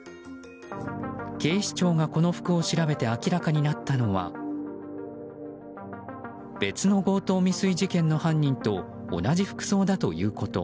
警視庁がこの服を調べて明らかになったのは別の強盗未遂事件の犯人と同じ服装だということ。